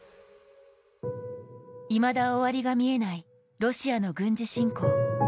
いまだ終わりが見えないロシアの軍事侵攻。